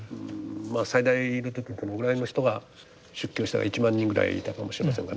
最大の時にどのぐらいの人が出家をしたか１万人ぐらいいたかもしれませんがね。